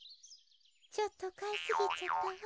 ちょっとかいすぎちゃったわ。